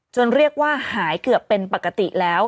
เรียกว่าหายเกือบเป็นปกติแล้ว